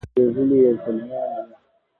لحدونو ته لېږلي یې زلمیان وي